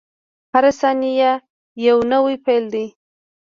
• هره ثانیه یو نوی پیل دی.